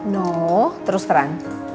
no terus terang